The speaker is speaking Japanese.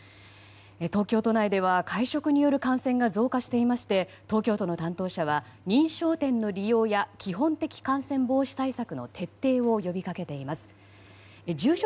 東京都内では会食による感染が増加していまして東京都の担当者は認証店の利用や基本的感染防止対策の徹底を呼び掛けています。